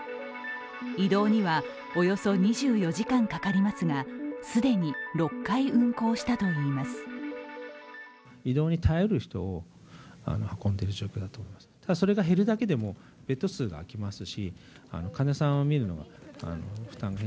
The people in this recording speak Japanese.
移動にはおよそ２４時間かかりますが既に６回運行したといいます。